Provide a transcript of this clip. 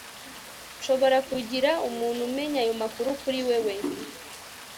nshobora kugira umuntu umenya ayo makuru kuri wewe